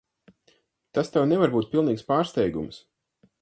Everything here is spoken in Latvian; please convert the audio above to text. Tas tev nevar būt pilnīgs pārsteigums.